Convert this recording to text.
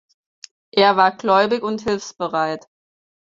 Er war gläubig und hilfsbereit.